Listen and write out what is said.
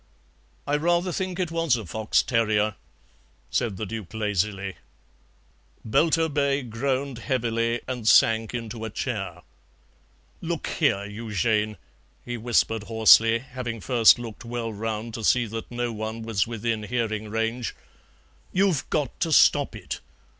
"I rather think it was a fox terrier," said the Duke lazily. Belturbet groaned heavily, and sank into a chair. "Look here, Eugène," he whispered hoarsely, having first looked well round to see that no one was within hearing range, "you've got to stop it.